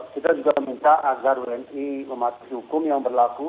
kita juga minta agar uni mematuhi hukum yang berlaku